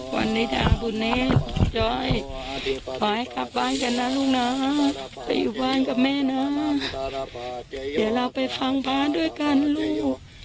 วันนี้ดาบุญเนธจ้อยขอให้กลับบ้านกันนะลูกนะไปอยู่บ้านกับแม่นะเดี๋ยวเราไปฟังบ้านด้วยกันลูก